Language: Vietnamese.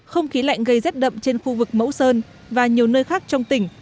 không khí lạnh gây rét đậm trên khu vực mẫu sơn và nhiều nơi khác trong tỉnh